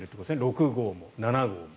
６号も７号も。